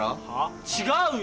違うよ！